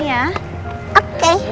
saya terima kasih sekali